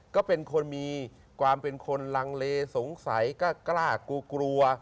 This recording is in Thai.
ก็เป็นคนมีความเป็นคนลังเลสงสัยก็กล้ากลัวกลัว